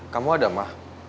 kamu ada ma